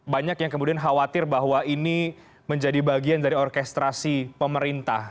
banyak yang kemudian khawatir bahwa ini menjadi bagian dari orkestrasi pemerintah